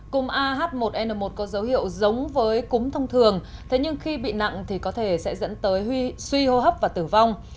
cúm ah một n một có dấu hiệu giống với cúm thông thường thế nhưng khi bị nặng thì có thể sẽ dẫn tới suy hô hấp và tử vong